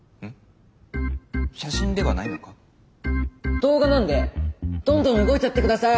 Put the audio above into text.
動画なんでどんどん動いちゃって下さい。